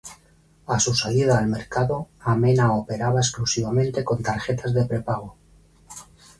A su salida al mercado, Amena operaba exclusivamente con tarjetas de prepago.